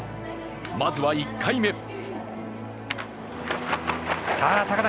まずは１回目。